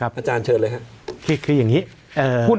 อออาจารย์เชิญเลยครับ